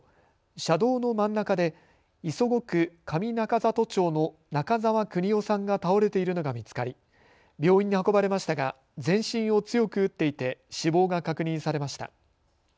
車道の真ん中で磯子区上中里町の中澤國夫さんが倒れているのが見つかり病院に運ばれましたが全身を強く打っていて死亡が確認されました。